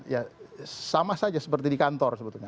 ya sama saja seperti di kantor sebetulnya